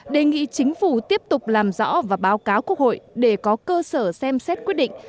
đề nghị chính phủ tiếp tục làm rõ và báo cáo quốc hội để có cơ sở xem xét quyết định